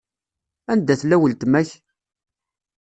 Anda tella weltma-k?